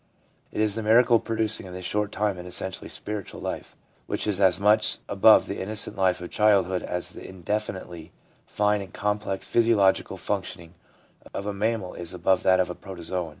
It is the miracle of pro ducing in this short time an essentially spiritual life, which is as much above the innocent life of childhood as the indefinitely fine and complex physiological function ing of a mammal is above that of a protozoon.